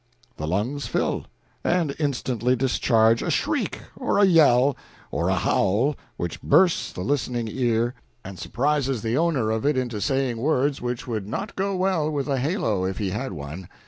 the lungs fill, and instantly discharge a shriek, or a yell, or a howl which bursts the listening ear and surprises the owner of it into saying words which would not go well with a halo if he had one.